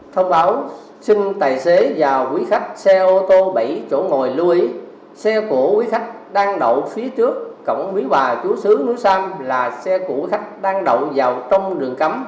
thông báo xin tài xế và quý khách xe ô tô bảy chỗ ngồi lưu ý xe của quý khách đang đậu phía trước cổng quý bà chú sướng núi sam là xe của khách đang đậu vào trong đường cấm